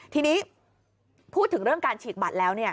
ทีนี้พูดถึงเรื่องการฉีกบัตรแล้ว